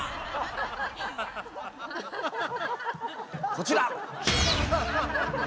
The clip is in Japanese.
こちら。